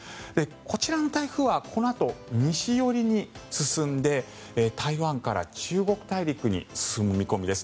こちらの台風はこのあと西寄りに進んで台湾から中国大陸に進む見込みです。